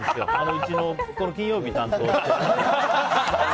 うちの金曜日担当。